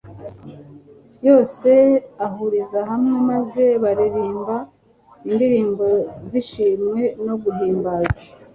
yose ahuriza hamwe maze baririmba indirimbo z'ishimwe no guhimbaza.